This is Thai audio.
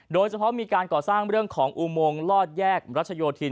โดยเฉพาะมีการก่อสร้างเรื่องของอุโมงลอดแยกรัชโยธิน